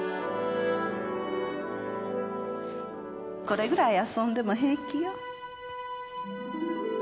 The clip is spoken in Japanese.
これぐらい遊んでも平気よ。